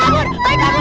manusia pak srigala